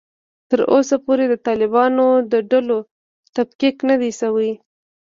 تر اوسه پورې د طالبانو د ډلو تفکیک نه دی شوی